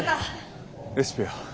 レシピは？